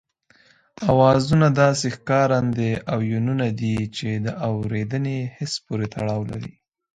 آوازونه داسې ښکارندې او يوونونه دي چې د اورېدني حس پورې تړاو لري